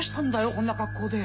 こんな格好で。